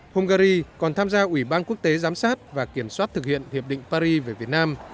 hungary còn tham gia ủy ban quốc tế giám sát và kiểm soát thực hiện hiệp định paris về việt nam